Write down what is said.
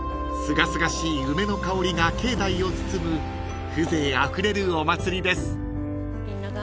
［すがすがしい梅の香りが境内を包む風情あふれるお祭りです］